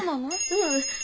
うん。